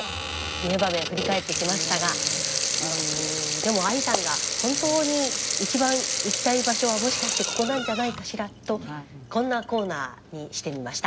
でもＡＩさんが本当に一番行きたい場所はもしかしてここなんじゃないかしらとこんなコーナーにしてみました。